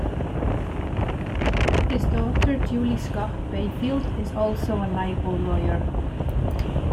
His daughter Julie Scott-Bayfield is also a libel lawyer.